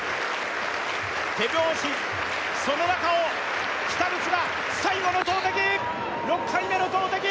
手拍子その中を北口が最後の投てき６回目の投てき